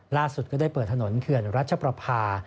ล่าสุดก็ได้เปิดถนนเผื่อนรัชประพา